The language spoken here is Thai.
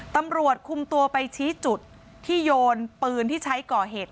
ตำรวจคุมตัวไปชี้จุดที่โยนปืนที่ใช้ก่อเหตุ